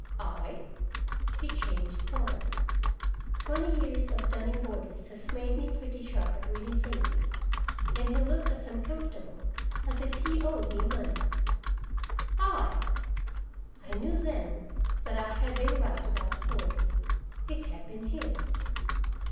"I?" He changed color. Twenty years of dunning boarders has made me pretty sharp at reading faces, and he looked as uncomfortable as if he owed me money. "I!" I knew then that I had been right about the voice. It had been his.